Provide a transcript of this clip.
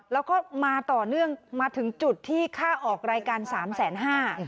แล้วก็มาต่อเนื่องมาถึงจุดที่ค่าออกรายการสามแสนห้า